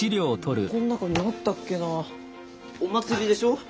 この中にあったっけなお祭りでしょ？